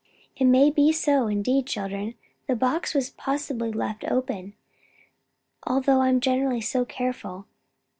"It may be so, indeed, children. The box was possibly left open, although I am generally so careful.